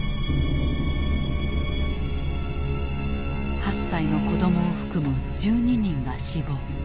８歳の子供を含む１２人が死亡。